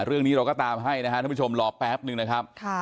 เรื่องนี้เราก็ตามให้นะครับท่านผู้ชมรอแป๊บนึงนะครับ